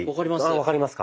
分かります。